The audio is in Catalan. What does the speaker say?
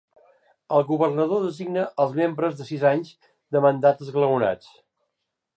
El governador designa els membres de sis anys de mandat esglaonats.